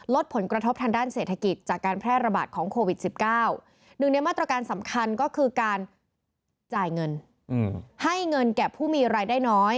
ลดผลกระทบทางด้านเศรษฐกิจจากการแพร่ระบาดของโควิด๑๙